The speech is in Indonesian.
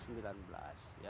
dan ini betul betul dilaksanakan